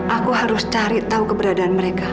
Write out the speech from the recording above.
aku harus cari tahu keberadaan mereka